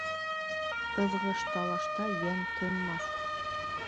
Ыҙғыш-талашта йән тынмаҫ